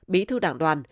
bí thư đảng đoàn